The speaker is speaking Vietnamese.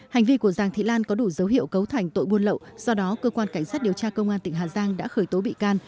hành vi của giàng thị lan có đủ dấu hiệu cấu thành tội buôn lậu do đó cơ quan cảnh sát điều tra công an tỉnh hà giang đã khởi tố bị can